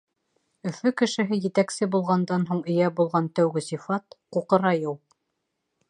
Өфө кешеһе етәксе булғандан һуң эйә булған тәүге сифат — ҡуҡырайыу.